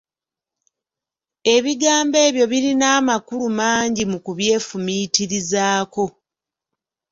Ebigambo ebyo birina amakulu mangi mu kubyefumiitirizaako!